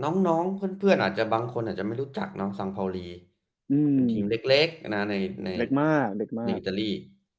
น้องเพื่อนอาจจะบางคนอาจจะไม่รู้จักน้องซังภาวรีทีมเล็กในอิตาลี